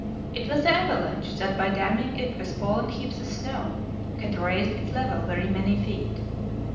It was the avalanche that by damming it with fallen heaps of snow had raised its level very many feet.